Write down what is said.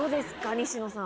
西野さん。